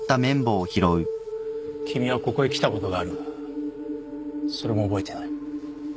君はここへ来たことがあるがそれも覚えてない？